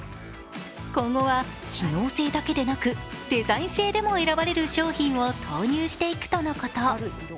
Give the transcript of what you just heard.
今後は機能性だけでなく、デザイン性でも選ばれる商品を投入していくとのこと。